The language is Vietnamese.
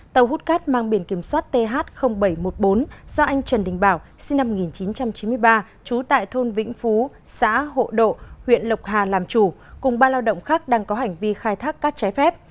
tàu hút cát mang biển kiểm soát th bảy trăm một mươi bốn do anh trần đình bảo sinh năm một nghìn chín trăm chín mươi ba trú tại thôn vĩnh phú xã hộ độ huyện lộc hà làm chủ cùng ba lao động khác đang có hành vi khai thác cát trái phép